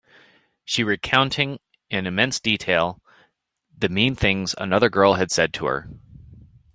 She recounting in immense detail the mean things another girl had said to her.